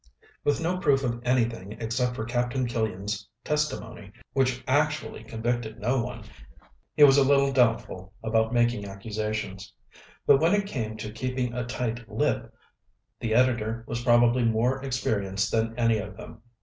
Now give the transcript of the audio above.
With no proof of anything except for Captain Killian's testimony, which actually convicted no one, he was a little doubtful about making accusations. But when it came to keeping a tight lip, the editor was probably more experienced than any of them.